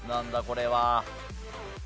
これは。